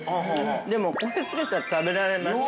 でも、これつけたら食べられます。